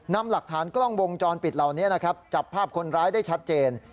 นำหลักฐานกล้องวงจรปิดเหล่านี้นะครับจับภาพคนร้ายได้ชัดเจน